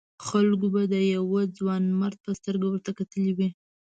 خلکو به د یوه ځوانمرد په سترګه ورته کتلي وي.